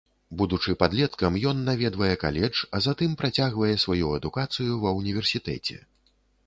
Будучы падлеткам ён наведвае каледж, а затым працягвае сваю адукацыю ва ўніверсітэце.